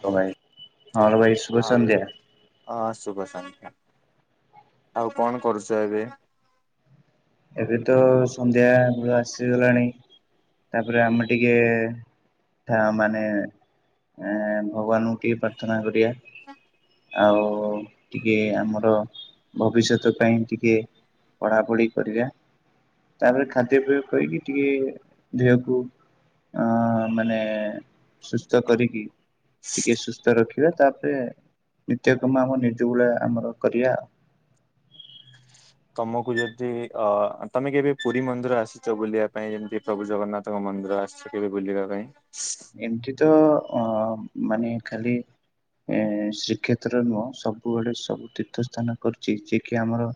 ହଁ ହ୍ୟାଲୋ ଭାଇ ହ୍ୟାଲୋ ଭାଇ ସୁୁଭ ସନ୍ଧ୍ୟା। ଅ ଶୁଭ ସନ୍ଧ୍ୟା, ଆଉ କଣ କରୁଚ ଏବେ? ଏବେ ତ ସନ୍ଧ୍ୟା ବେଳ ଆସିଗଲାଣି ତାପରେ ଆମେ ଟିକେ ଥା ମାନେ ଏ ଭଗବାନଙ୍କୁ ଟିକେ ପ୍ରାର୍ଥନା କରିବା। ଆଉ ଟିକେ ଆମର ଭବିଷ୍ୟତ ପାଇଁ ଟିକେ ପଢ଼ାପଢ଼ି କରିବା। ତାପରେ ଖାଦ୍ୟପ୍ରୟୋଗ କରିକି ଟିକେ ଦେହକୁ ଅ ମାନେ ସୁସ୍ତ କରିକି ଟିକେ ସୁସ୍ଥ ରଖିବା ତାପରେ ନିତ୍ୟକ୍ରମ ଆମ ନିଜ ଭଳିଆ ଆମର କରିବା। ତମକୁ ଯଦି ଅ ତମେ କେବେ ପୁରୀ ମନ୍ଦିର ଆସିଚ ବୁଲିବା ପାଇଁ, ଯେମିତି ପ୍ରଭୁ ଜଗନ୍ନାଥ ତ ମନ୍ଦିର ଆସଛ କେବେ ବୁଲିବା ପାଇଁ? ଏମିତି ତ ଅ ମାନେ ଖାଲି ଏ ଶ୍ରୀକ୍ଷେତ୍ର ନୁହଁ ସବୁଆଡେ ସବୁ ତୀର୍ଥ ସ୍ଥାନ କରୁଚି, ଯିଏ କିି ଆମର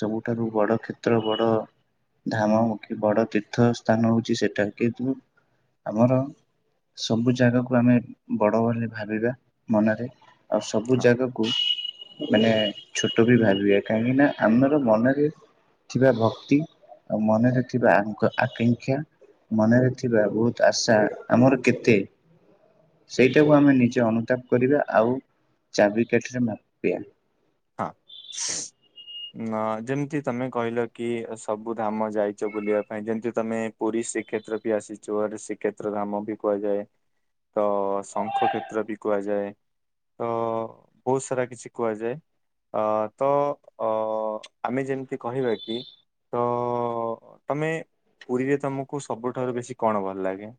ସବୁଠାରୁ ବଡ କ୍ଷେତ୍ର ବଡ ଧାମ ମୁଖୀ ବଡ ତୀର୍ଥ ସ୍ଥାନ ହଉଛି ସେଟା କିନ୍ତୁ ଆମର ସବୁ ଜାଗାକୁ ଆମେ ବଡ ବୋଲି ଭାବିବା ମନରେ ଆଉ ସବୁ ହଁ। ଜାଗା ବ କୁ ମାନେ ଛୋଟ ବି ଭାବିବା କାହିଁକି ନାଁ ଆମର ମନରେ ଥିବା ଭକ୍ତି ଆଉ ମନରେ ଥିବା ଆଙ୍କ ଆକାଂକ୍ଷା ମନରେ ଥିବା ବହୁତ୍ ଆଶା ଆମର କେତେ ସେଇଟାକୁ ଆମେ ନିଜେ ଅନୁତାପ କରିବା ଆଉ ଚାବିକାଠିରେ ମାପିଆ। ହଁ। ନ ଯେମିତି ତମେ କହିଲ କି ସବୁ ଧାମ ଯାଇଚ ବୁଲିବା ପାଇଁ ଯେମିତି ତମେ ପୁରୀ ଶ୍ରୀକ୍ଷେତ୍ର ବି ଆସିଛୁ ଏଠି ଶ୍ରୀକ୍ଷେତ୍ର ଧାମ ବି କୁହାଯାଏ। ତ ଶଙ୍ଖ କ୍ଷେତ୍ର ବି କୁହାଯାଏ। ତ ବହୁତ୍ ସାରା କିଛି କୁହାଯାଏ। ଅ ତ ଅ ଆମେ ଯେମିତି କହିବା କି ତ ଅ ତମେ ପୁରୀରେ ତମକୁ ସବୁଠାରୁ ବେଶୀ କଣ ଭଲ ଲାଗେ?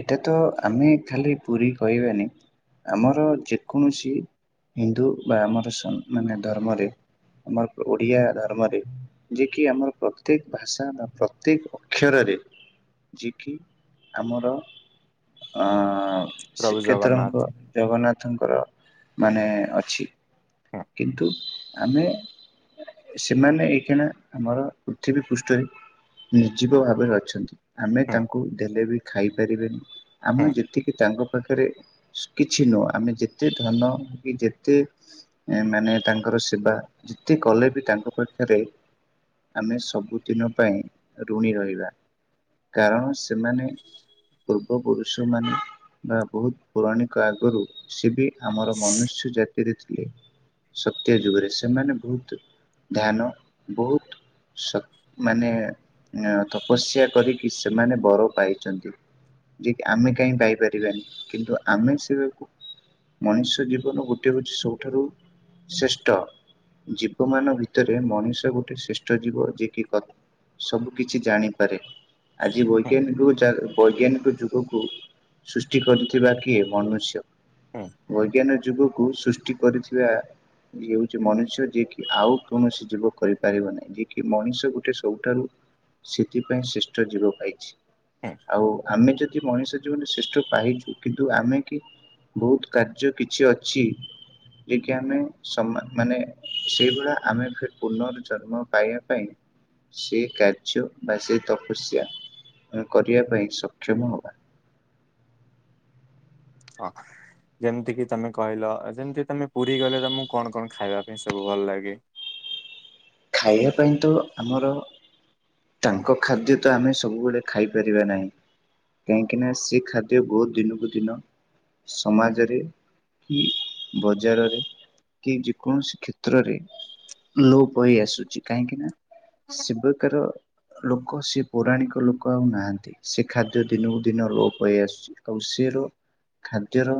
ଏଟା ତ ଆମେ ଖାଲି ପୁରୀ କହିବାନି। ଆମର ଯେକୌଣସି ହିନ୍ଦୁ ବା ଆମର ସ ମାନେ ଧର୍ମରେ ଆମର ପ ଓଡ଼ିଆ ଧର୍ମରେ। ଯିଏ କିି ଆମର ପ୍ରତ୍ୟେକ ଭାଷା ବା ପ୍ରତ୍ୟେକ ଅକ୍ଷରରେ ଯିଏ କିି ଆମର ଅ ପ୍ରଭୁ ଶ୍ରୀକ୍ଷେତ୍ର ଙ୍କ ଜଗନ୍ନାଥ। ଜଗନ୍ନାଥଙ୍କର ମାନେ ଅଛି ହଁ। କିନ୍ତୁ ଆମେ ସେମାନେ ଏଇକିନା ଆମର ପୃଥିବୀ ପୃଷ୍ଠରେ ନିର୍ଜୀବ ଭାବରେ ଅଛନ୍ତି। ଆମେ ହୁଁ ତାଙ୍କୁ ଦେଲେ ବି ଖାଇପାରିବେନି। ହୁଁ ଆମେ ଯେତିକି ତାଙ୍କ ପାଖରେ- କିଛି ନୁହଁ। ଆମେ ଯେତେ ଧନ କି ଯେତେ- ଏ ମାନେ ତାଙ୍କର ସେବା ଯେତେ କଲେ ବି ତାଙ୍କ ପାଖେରେ ଆମେ ସବୁଦିନ ପାଇଁ ଋଣୀ ରହିବା କାରଣ ସେ ସେମାନେ ପୁ ପୂର୍ବପୁରୁଷ ମାନେ ବା ବହୁତ୍ ପୌରାଣିକ ଆଗରୁ ସିଏ ବି ଆମର ମନୁଷ୍ୟ ଜା - ରେ ଥିଲେ। ସତ୍ୟ ଯୁଗରେ ସେମାନେ ବହୁତ ଧ୍ୟାନ ବହୁତ ସତ ମାନେ ତପସ୍ୟା କରିକି ସେମାନେ ବର ପାଇଛନ୍ତି। ଯେ କି ଆମେ କାହିଁ ପାଇପାରିବାନି କିନ୍ତୁ ଆମେ ସେ ମନୁଷ୍ୟ ଜୀବନ ଗୋଟିଏ ହେଉଛି ସବୁଠାରୁ ଶ୍ରେଷ୍ଠ। ଜୀବ ମନଙ୍କ ଭିତରେ ମଣିଷ ଗୋଟେ ଶ୍ରେଷ୍ଠ ଜୀବ। ଯିଏ କି ସବୁ କିଛି ଜାଣିପାରେ। ଆଜି ହୁଁ ବୈଜ୍ଞାନିକକୁ ଜାଣି ବୈଜ୍ଞାନିକ ଯୁଗକୁ ସୃଷ୍ଟି କରିଥିବା କିଏ ମନୁଷ୍ୟ। ହୁଁ ବୈଜ୍ଞାନ ଯୁଗକୁ ସୃଷ୍ଟି କରିଚି। ଯା ଇଏ ହଉଛି ମନୁଷ୍ୟ ଯିଏ କିି ଆଉ କୌଣସି ଜୀବ କରିପାରିବ ନାହିଁ। ଯିଏ କି ମଣିଷ ଗୋଟେ ସବୁଠାରୁ ସେଥିପାଇଁ ଶ୍ରେଷ୍ଠ ଜୀବ ପାଇଛି। [unintelligible] ଆଉ ଆମେ ଯଦି ମଣିଷ ଜୀବନ ଶ୍ରେଷ୍ଠ ପାଇଛୁ କିନ୍ତୁ ଆମେ କିଏ ବହୁତ କାର୍ଯ୍ୟ କିଛି ଅଛି। ଯେକି ଆମେ ସମାନ ମାନେ ସେଇଭଳିଆ ଆମେ ପୁନର୍ଜନ୍ମ ପାଇବା ପାଇଁ ସେ କାର୍ଯ୍ୟ ବା ସେ ତପସ୍ୟା କରିବା ପାଇଁ ସକ୍ଷମ ହବା [unintelligible] ଯେମିତି କିି ତମେ କହିଲ। ଯେମିତି ତମେ ପୁରୀ ଗଲେ ତମକୁ କଣ କଣ ଖାଇବା ପାଇଁ ସବୁ ଭଲ ଲାଗେ। ଖାଇବା ପାଇଁ ତ ଆମର ତାଙ୍କ ଖାଦ୍ୟ ତ ଆମେ ସବୁବେଳେ ଖାଇପାରିବା ନାହିଁ। କାହିଁକି ନା ସେ ଖାଦ୍ୟକୁ ଦିନକୁ ଦିନ ସମାଜରେ କି ବଜାରରେ କି ଯେ କୌଣସି କ୍ଷେତ୍ରରେ ଲୋପ କହି ଆସୁଛି। କାହିଁକି ନା ସେବେକାର ଲୋକ ସେ ପୌରାଣିକ ଲୋକ ଆଉ ନାହାନ୍ତି। ସେ ଖାଦ୍ୟ ଦିନକୁ ଦିନ ଲୋପ ପାଇ ଆସୁଛି। ରୋଷେଇର ଖାଦ୍ୟର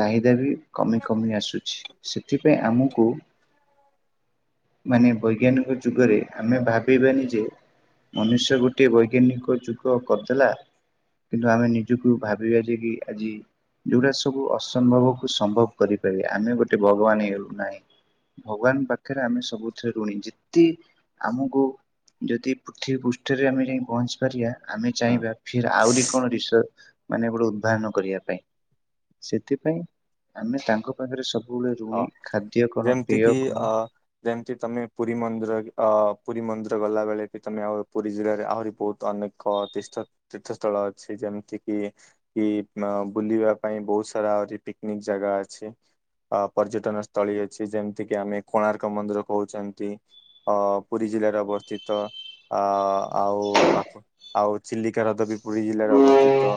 ଚାହିଦା ବି କମି କମି ଆସୁଛି। ସେଥିପାଇଁ ଆମକୁ ମାନେ ବୈଜ୍ଞାନିକ ଯୁଗରେ ଆମେ ଭାବିବାନି ଯେ ମନୁଷ୍ୟ ଗୋଟିଏ ବୈଜ୍ଞାନିକ ଯୁଗ କରିଦେଲା। କିନ୍ତୁ ଆମେ ନିଜକୁ ଭାବିବା ଯେ କି ଆଜି ଯଉୁଡା ସବୁ ଅସମ୍ଭବ କୁ ସମ୍ଭବ କରିପାରିବା ଆମେ ଗୋଟେ ଭଗବାନ ହେଇଗଲୁ ନାହିଁ। ଭଗବାନ ପାଖରେ ଆମେ ସବୁଥିରେ ଋଣୀ ଯେତେ ଆମକୁ ଯଦି ପୃଥିବୀ ପୃଷ୍ଠରେ ଆମେ ଯାଇ ପହଞ୍ଚି ପାରିବା ଆମେ ହୁଁ ଚାହିଁବା ଫିର୍ ଆହୁରି କଣ ରିସଭ ମାନେ ଗୋଟେ ଉଦ୍ଭହନ କରିବା ପାଇଁ ସେଥିପାଇଁ ଆମେ ତାଙ୍କ ତା ପାଖରେ ସବୁବେଳେ ହଁ ଋଣୀ। ଖାଦ୍ୟ କଣ ଯେମିତି କିି ପେୟ ଅ କଣ ଯେମିତି ତମେ ପୁରୀ ମନ୍ଦିର ଆ ପୁରୀ ମନ୍ଦିର ଗଲା ବେଳେ ବି ତମେ ଆଉ ପୁରୀ ଜିଲ୍ଲାରେ ଆହୁରି ବହୁତ ଅନେକ ଏକ ତୀର୍ଥ ତୀର୍ଥସ୍ଥଳ ଅଛି ଯେମିତି କିି କି ବୁଲିବା ପାଇଁ ବହୁତ ସାରା ଅନେକ ପିକନିକ ଜାଗା ଅଛି। ଅ ପର୍ଯ୍ୟଟନ ସ୍ଥଳୀ ଅଛି ଯେମିତି କିି ଆମେ କୋଣାର୍କ ମନ୍ଦିର କହୁଛନ୍ତି। ଅ ପୁରୀ ଜିଲ୍ଲାରେ ଅବସ୍ଥିତ ଅ ଆଉ ପାଖ ଆଉ ଚିଲିକାରଦାବି ପୁରୀ ଜିଲ୍ଲାରେ ଅବସ୍ଥିତ।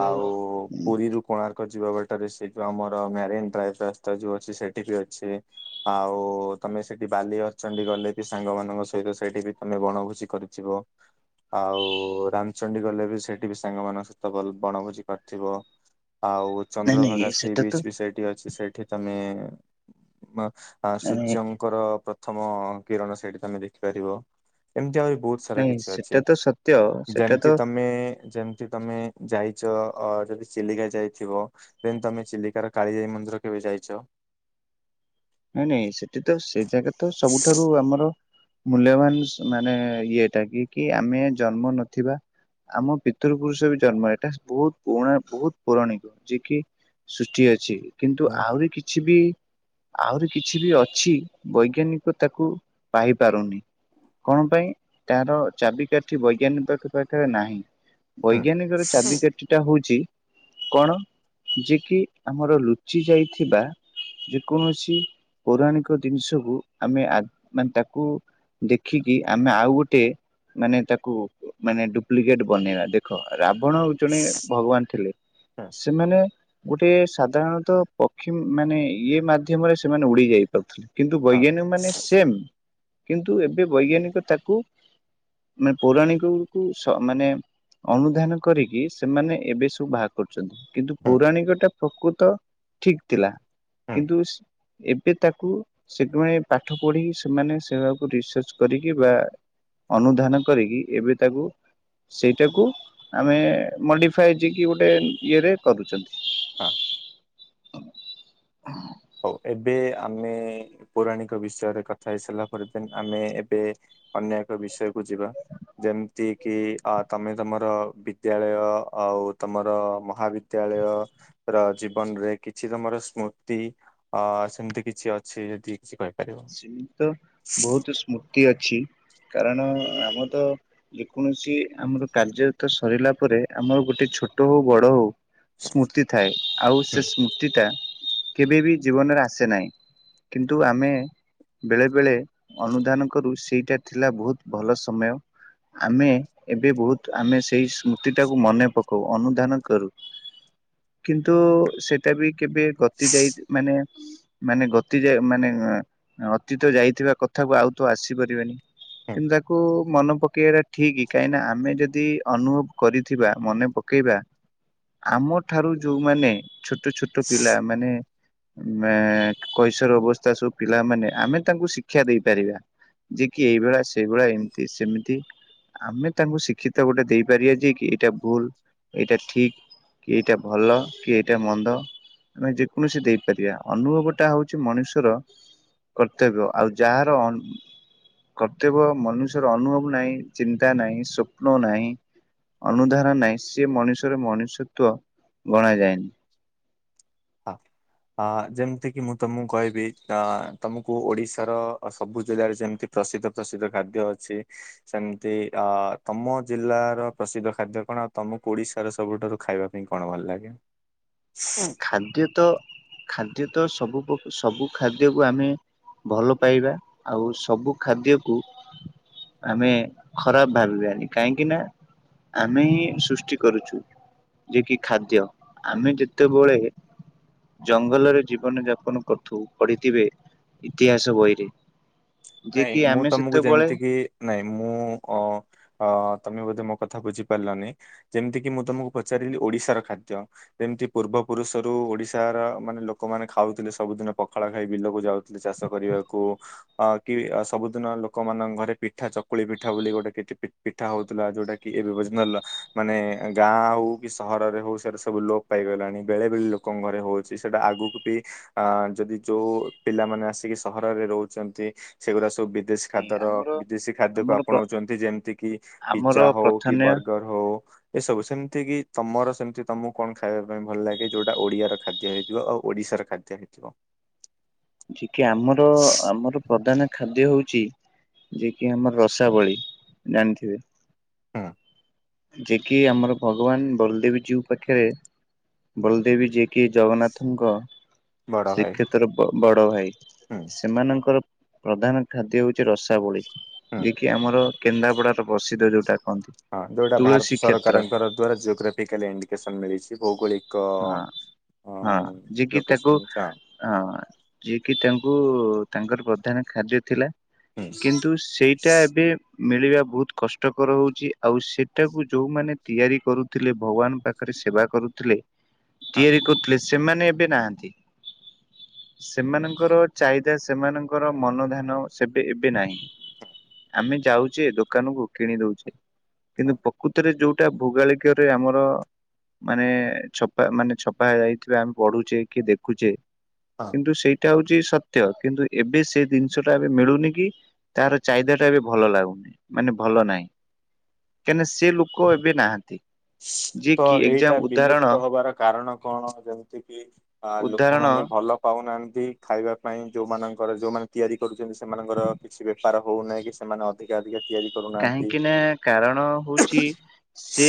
ଆଉ ପୁରୀରୁ କୋଣାର୍କ ଯିବା ବାଟରେ ସେଇ ଯଉ ଆମର ମ୍ୟାରନ୍ ଡ୍ରାଇଭ ରାସ୍ତା ଯୋଉ ଅଛି ସେଠି ବି ଅଛି। ଆଉ ତମେ ସେଠି ବାଲି ଅର୍ଚଣ୍ଣ୍ଡୀ ଗଲେ ବି ସାଙ୍ଗମାନଙ୍କ ସହିତ ସେଇଠି ବି ତମେ ବଣଭୋଜୀ କରି ଯିବ। ଆଉ ରାମଚଣ୍ଡୀ ଗଲେ ବି ସେଠି ବି ସାଙ୍ଗମାନଙ୍କ ସହିତ ବଣଭୋଜି କରିଥିବ ଆଉ ନାଇଁ ନାଇଁ ଚନ୍ଦ୍ରଭାଗା ସି ସେଟା ତ ବିଚ୍ ବି ସେଇଠି ଅଛି ସେଇଠି ତମେ ନାଇଁ ସୂର୍ଯ୍ୟ ଙ୍କର ପ୍ରଥମ କିରଣ ସେଇଠି ତମେ ଦେଖିପାରିବ। ଏମିତି ଆହୁରି ବହୁତ ସାରା ନାଇଁ କିଛି ସେଟା ଅଛି। ତ ସତ୍ୟ ସେଟା ତ ଯେମିତି ତମେ ଯେମ ଯଦି ତମେ ଯାଇଛ ଯଦି ଚିଲିକା ଯାଇଥିବ? ଦେନ୍ ତମେ ଚିଲିକାର କାଳିଜାଇ ମନ୍ଦିର କେବେ ଯାଇଚ? ନାଇଁ ନାଇଁ ସେଠି ତ ସେ ଜାଗା ରେ ତ ହୁଁ ସବୁଠାରୁ ଆମର ମୂଲ୍ୟବାନ ମାନେ ଇଏଟା କି କି ଆମେ ଜନ୍ମ ନଥିବା ଆମ ପିତୃ ପୁରୁଷ ବି ଜନ୍ମ ଏଟା ବହୁତ ପୁରୁଣା ବହୁତୁ ପୌରାଣିକ। ଯିଏ କି ସୃଷ୍ଟି ଅଛି କିନ୍ତୁ ହୁଁ ଆହୁରି କିଛି ବି ଆହୁରି କିଛି ବି ଅଛି ବୈଜ୍ଞାନିକ ତାକୁ ପାଇ ପାରୁନି। କଣ ପାଇଁ ତାର ଚାବି କାଠି ବୈଜ୍ଞାନିକ ପାଖେ ପାଖେ ନାହିଁ। ହୁଁ ବୈଜ୍ଞାନିକ ର ଚାବି କା ଠିଟା ହଉଚି କଣ ଯେ କିି ଆମର ଲୁଚି ଯାଇଥିବା କୌଣସି ପୌରାଣିକ ଜିନିଷକୁ ଆମେ ଆ ମାନେ ତାକୁ ଦେଖିକି ଆମେ ଆଉ ଗୋଟେ ମାନେତାକୁ ମାନେ ଡୁପ୍ଲିକେଟ ବନେଇବା ଦେଖ ରାବଣ ଜଣେ ଭଗବାନ ଥିଲେ। ହୁଁ ସେମାନେ ଗୋଟେ ସାଧାରଣତଃ ପକ୍ଷୀ ମାନେ ଇଏ ମା ମାଧ୍ୟମରେ ସେମାନେ ଉଡି ଯାଇ ପାରୁଥିଲେ କିନ୍ତୁ ହଁ ବୈଜ୍ଞାନିକ ମାନେ ସେମ୍। କିନ୍ତୁ ଏବେ ବୈଜ୍ଞାନିକ ତାକୁ ମା ପୌରାଣିକକୁ ସ ମାନେ ଅନୁଧ୍ୟାନ କରିକି ସେମାନେ ଏବେ ସବୁ ବାହା କରୁଚନ୍ତି। କିନ୍ତୁ ହୁଁ ପୌରାଣିକ ଟା ପ୍ରକୃତ ଠିକ୍ ଥିଲା। ହୁଁ କିନ୍ତୁ ଏବେ ତାକୁ [unintelligible] ପାଠ ପଢ଼ିକି ସେମାନେ ସେରାକୁ ରିସର୍ଚ କରିକି ବା ଅନୁଧ୍ୟାନ କରିକି ଏବେ ତାକୁ ସେଇଟାକୁ ଆମେ ମଡିଫାଏ ଯିଏକି ଗୋଟେ ଇଏରେ କରୁଚନ୍ତି। ଫା। ହଉ ଏବେ ଆମେ ପୌରାଣିକ ବିଷୟରେ କଥା ହେଇସାରିଲା ପରେ ଦେନ୍ ଆମେ ଏବେ ଅନ୍ୟ ଏକ ବିଷୟକୁୁ ଯିବା। ଯେମିତି କିି ଅ ତମେ ତମର ବିଦ୍ୟାଳୟ ଆଉ ତମର ମହାବି ବିଦ୍ୟାଳୟ ର ଜୀବନରେ କିଛି ତମର ସ୍ମୃତି ଅ ସେମିତି କିଛି ଅଛି ଯଦି କିଛି କହିବେ। ସେମିତି ତ ବହୁତୁ ସ୍ମୃତି ଅଛି କାରଣ ଆମ ତ ଯେକୌଣସି ଆମର କାର୍ଯ୍ୟରତ ସରିଲା ପରେ ଆମର ଗୋଟେ ଛୋଟ ହଉ ବଡ ହଉ ସ୍ମୃତି ଥାଏ ଆଉ ହୁଁ ସେ ସ୍ମୃତିଟା କେବେ ବି ଜୀବନରେ ଆସେ ନାଇଁ। କିନ୍ତୁ ଆମେ ବେଳେବେଳେ ଅନୁଧ୍ୟାନ କରୁ ସେଇଟା ଥିଲା ବହୁତ୍ ଭଲ ସମୟ। ଆମେ ଏବେ ବହୁତୁ ଆମେ ସେଇ ସ୍ମୃତିଟାକୁ ମନେ ପକଉ ଅନୁଧ୍ୟାନ କରୁ। କିନ୍ତୁ ସେଟା ବି କେବେ ଗତି ଯାଇ ମାନେ ମାନେ ଗତି ଯାଏ ମାନେ ଅତୀତ ଯାଇଥିବା କଥାକୁ ଆଉ ତ ଆସିପାରିବେନି ହୁଁ କିନ୍ତୁ ତାକୁ ମନେ ପକେଇବାରେ ଠିକ୍ କାହିଁକିନା ଆମେ ଯଦି ଅନୁଭବ କରିଥିବା ମନେ ପକେଇବା ଆମ ଠାରୁ ଯୋଉମାନେ ଛୋଟ ଛୋ ଛୋଟ ପିଲା ମାନେ କୈଶର ଅବସ୍ଥା ସବୁ ପିଲାମାନେ ଆମେ ତାଙ୍କୁ ଶିକ୍ଷା ଦେଇପାରିବା ଯେ କି ଏଇଭଳିଆ ସେଇଭଳିଆ ଏମିତି ସେମିତି। ଆମେ ତାଙ୍କୁ ଶିକ୍ଷିତ ଗୋଟେ ଦେଇପାରିବା ଯେ କି ଏଇଟା ଭୁଲ ଏଇଟା ଠିକ। କି ଏଇଟା ଭଲ କି ଏଇଟା ମନ୍ଦ। ଆମେ ଯେକୌଣସି ଦେଇପାରିବା ଅନୁଭବ ଟା ହଉଚି ମଣିଷର କର୍ତ୍ତବ୍ୟ ଆଉ ଯାହାର ଅ କର୍ତ୍ତବ୍ୟ ମନୁଷ୍ୟର ଅନୁଭବ ନାହିଁ, ଚିନ୍ତା ନାହିଁ, ସ୍ୱପ୍ନ ନାହିଁ ଅନୁଧାରା ନାହିଁ ସିଏ ମଣିଷର ମଣିଷତ୍ୱ ଗଣାଯାଏନି। ହ। ଅ ଯେମିତି କିି ମୁଁ ତମୁକୁ କହିବି ଅ ତମୁକୁ ଓଡିଶାର ସବୁ ଜିଲ୍ଲାରେ ଯେମିତି ପ୍ରସିଦ୍ଧ ପ୍ରସିଦ୍ଧ ଖାଦ୍ୟ ଅଛି। ସେମିତି ଅ ତମ ଜିଲ୍ଲାର ପ୍ରସିଦ୍ଧ ଖାଦ୍ୟ କଣ ଆଉ ତମୁକୁ ଓଡିଶାର ସବୁଠାରୁ ଖାଇବାକୁ ପାଇଁ କଣ ଭଲ ଲାଗେ? ଖାଦ୍ୟ ତ ଖାଦ୍ୟ ତ ସବୁକୁ ସବୁ ଖାଦ୍ୟକୁ ଆମେ ଭଲ ପାଇବା ଆଉ ସବୁ ଖାଦ୍ୟକୁ ଆମେ ଖରାପ ଭାବିବାନି କାହିଁକି ନା ଆମେ ସୃଷ୍ଟି କରୁଛୁ ଯିଏ କି ଖାଦ୍ୟ ଆମେ ଯେ ତେବଳେ ଜଙ୍ଗଲରେ ଜୀବନ ଯାପନ କରଥୁ ପଢିଥିବେ ଇତିହାସ ବହିରେ। ଯେ ନାଇଁ କି ମୁଁ ଆମେ ତମକୁ ସେତେବେଳେ ଯେମିତିକି ନାଇଁ ମୁଁ ଅ ଅ ତମେ ବୋଧେ ମୋ କଥା ବୁଝିପାରିଲନି। ଯେମିତି କିି ମୁଁ ତମକୁ ପଚାରିଲି ଓଡିଶାର ଖାଦ୍ୟ। ଯେମତି ପୂର୍ବପୁରୁଷରୁ ଓଡିଶାର ମାନେ ଲୋକମାନେ ଖାଉଥିଲେ ସବୁଦିନ ପଖାଳ ଖାଇ ବିଲକୁ ଯାଉ ଚାଷ କରିବାକୁ ଅ କି ଅ ସବୁଦିନ ଲୋକମାନଙ୍କ ଘରେ ପିଠା ଚକୁଳି ପିଠା ବୋଲି ଗୋଟେ କିଛି ପିଠା ହଉଥିଲା ଯୋଉଟା କି କି [unintelligible] ମାନେ ଗାଁ ହଉ କି ସହରରେ ହଉ ସେଟା ସବୁ ଲୋପ ପାଇଗଲାଣି ବେଳେ ବେଳେ ଲୋକ ଙ୍କ ଘରେ ହଉଛି ସେଇଟା ଆଗକୁ ବି ଆ ଯଦି ଯୋଉ ପିଲାମାନେ ଆସିକି ସହରରେ ରହୁଛନ୍ତି ସେଗୁଡା ସବୁ ଦେଶୀ ନାଇଁ ଖାଦର ଆମର ବିଦେଶୀ ଖାଦ୍ୟକୁ ଆମର ଆପଣଉଛନ୍ତି ଯେମିତିକି ଆମର ପିଜ୍ଜା ହଉ କି ପ୍ରଥମେ ବର୍ଗର ହଉ। ଏସବୁ ସେମିତିକି ତମର ସେମିତି ତମକୁ କଣ ଖାଇବା ପାଇଁ ଭଲ ଲାଗେ ଯୋଉଟା ଓଡିଆର ଖାଦ୍ୟ ହେଇଥିବ ଆଉ ଓଡିଶାର ଖାଦ୍ୟ? ହେଇଥିବ। ଯେ କି ଆମର ଆମର ପ୍ରଧାନ ଖାଦ୍ୟ ହଉଛି ଯିଏ କିି ଆମର ରସାବଳୀ ଜାଣିଥିବେ। ହଁ। ଯିଏକି ଆମର ଭଗବାନ ବଳଦେବ ଯୀଉ ପାଖରେ ବଳଦେବ ଜୀଉ କି ଜଗନ୍ନାଥଙ୍କ ବଡ ଭାଇ ଶ୍ରୀକ୍ଷେତ୍ରର ବଡ ଭାଇ ହୁଁ ସେମାନଙ୍କର ପ୍ରଧାନ ଖାଦ୍ୟ ହଉଛି ରସାବଳି ହୁଁ ଯିଏକିି ଆମର କେନ୍ଦ୍ରାପଡ଼ା ପ୍ରସିଦ୍ଧ ଯଉଟା କୁହନ୍ତି। ହଁ ଯୋଉଟା ଭାରତ ସରକାରଙ୍କର ଦ୍ଵାରା ଜିଓଗ୍ରାଫିକାଲ ଇଣ୍ଡିକେସନ ମିଳିଛି ଭୌଗୋଳିକ ହଁ କ ହଁ ଯିଏ କିି ତାକୁ ଲୋକେସନ ଯା। ହଁ ଯିଏକି ତାଙ୍କୁ ତାଙ୍କର ପ୍ରଧାନ ଖାଦ୍ୟ ଥିଲା। ହୁଁ, କିନ୍ତୁ ସେଇଟା ଏବେ ମିଳିବା ବହୁତ କଷ୍ଟକର ହଉଛି ଆଉ ସେଟାକୁ ଯୋଉମାନେ ତିଆରି କରୁଥିଲେ ଭଗବାନ ପାଖ ସେବା କରୁଥିଲେ ହଁ ତିଆରି କରୁଥିଲେ ସେମାନେ ଏବେ ନାହାନ୍ତି। ସେମାନଙ୍କର ଚାହିଦା ସେମାନଙ୍କର ମନଧ୍ୟାନ ସେବେ ଏବେ ନାହିଁ ଆମେ ଯାଉଛେ ଦୋକାନକୁ କିଣି ଦଉଛେ। କିନ୍ତୁ ପ୍ରକୃତରେ ଯୋଉଟା ଭୌଗାଳିକରେ ଆମର ମାନେ ଛପା ମାନେ ଛପା ଯାଇଥିବା ଆମେ ପଢୁଛେ କି ଦେଖୁଛେ ହଁ କିନ୍ତୁ ସେଇଟା ହଉଛି ସତ୍ ତ୍ୟ କିନ୍ତୁ ଏବେ ସେ ଜିନିଷଟା ଏବେ ମିଳୁନି କି ତାର ଚାହିଦାଟା ବି ଭଲ ଲାଗୁନି ମାନେ ଭଲ ନାହିଁ। କାହିଁକିନା ସେ ଲୋକ ଏବେ ନାହାନ୍ତି। ଯିଏ ତ କି ଏକ୍ଜାମ ଏଇଟା ଉଦାହରଣ ବିଲୁପ୍ତ ହବାର କାରଣ। କଣ ଯେମିତିକି ଅ ଉଦାହରଣ ଲୋକମାନେ ଭଲ ପାଉନାହାନ୍ତି ଖାଇବା ପାଇଁ ଯେଉଁମାନଙ୍କର ଯେଉଁମାନେ ତିଆରି କରୁଛନ୍ତି ସେମାନଙ୍କର କିଛି ବେପାର ହଉନାହିଁ କି ସେମାନେ ଅଧିକା ଅଧିକା ତିଆରି। କରୁନାହାନ୍ତି। କାହିଁକିନା କାରଣ ହଉଛି ସେ।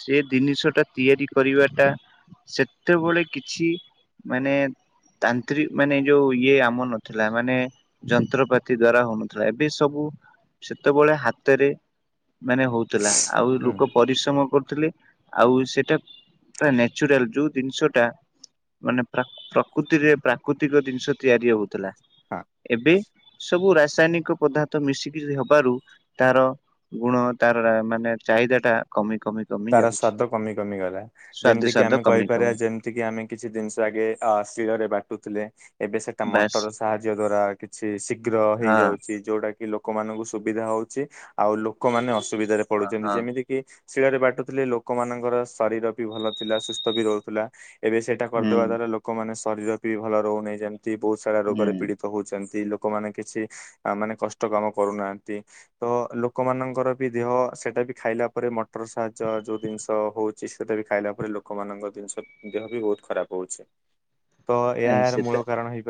ସେ ଜିନିଷ ଟା ତିଆରି କରିବା ଟା ସେତେବେଳେ କିଛି। ମାନେ ତାନ୍ତ୍ରିକ ମାନେ ଯୋଉ ଇଏ ଆମ ଥିଲା ମାନେ। ଯନ୍ତ୍ରପାତି ଦ୍ଵାରା ହଉନଥିଲା ଏବେ ସବୁ ସେତେବେଳେ ହାତ। ରେ ମାନେ ହଉଥିଲା ଆଉ ହୁଁ। ଲୋକ। ପରିଶ୍ରମ କରୁଥିଲେ ଆଉ ସେଇଟା ପୁରା ନ୍ୟାଚୁରାଲ ଯୋଉ ଜିନିଷଟା। ମାନେ ପ୍ରକୃତିରେ ପ୍ରାକୃତିକ ଜିନିଷ ତିଆରି ହଉଥିଲା। ହଁ ଏବେ ସବୁ ରାସାୟନିକ ପଦାର୍ଥ ମିଶିକିରି ହବାରୁ ତାର ଗୁଣ ତାର ମାନେ ଚାହିଦା ଟା କମି କମି କମି ତାର ଯାଉଛି। ସ୍ଵାଦ କମି କମି ଗଲା ସ୍ଵାଦ ଯେମିତି କିି ଆମେ ସ୍ୱାଦ କମି କହିପାରିବା କମି ଯେମ ଯେତିକି ଆମେ କିଛି ଜିନିଷ ଆଗେ ଅ ସିଳରେ ବାଟୁଥିଲେ। ଏବେ ସେଟା ବାସ୍ ମଟର ସାହାଯ୍ୟ ଦ୍ଵାରା କିଛି ଶୀଘ୍ର ହଁ ହେଇଯାଉଛି। ଯୋଉଟା କି ଲୋକମାନଙ୍କୁ ସୁବିଧା ହଉଛି ଆଉ ଲୋକମାନେ ଅସୁବିଧାରେ ପଡୁଛନ୍ତି ହଁ ଯେମିତି କି ଶିଳରେ ବାଟୁଥିଲେ ଲୋକମାନଙ୍କର ଶରୀର ବି ଭଲ ଥିଲା ସୁସ୍ଥ ବି ରହୁଥିଲା। ଏବେ ସେଇଟା ହୁଁ କରିଦେବା ଦ୍ୱାରା ଲୋକମାନେ ଶରୀର ବି ଭଲ ରହୁନାହିଁ ଯେମିତି ବହୁତ ସାରା ହୁଁ ରୋଗରେ ପୀଡିତ ହଉଛନ୍ତି, ଲୋକମାନେ କିଛି ମାନେ କଷ୍ଟ କାମ କରୁନାହାନ୍ତି। ତ ଲୋକମାନଙ୍କର ବି ଦେହ ସେଟା ବି ଖାଇଲା ପରେ ମଟର ସାହାଯ୍ୟ ଯ ଯଉ ଜିନିଷ ହଉଛି ସେଇଟା ବି ଖାଇଲା ପରେ ଲୋକମାନଙ୍କ ଜିନିଷ ଦେହ ବି ବହୁତ ଖରାପ ହଉଛି। ତ ଏ ଏହାର ସେତ ମୂଳ କାରଣ ହେଇ